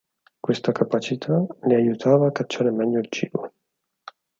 Questa capacità le aiutava a cacciare meglio il cibo.